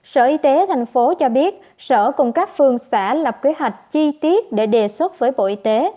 sở y tế tp cho biết sở cùng các phương xã lập kế hoạch chi tiết để đề xuất với bộ y tế